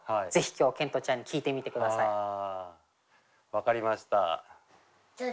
分かりました。